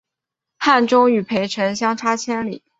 汉中与涪城相差千里。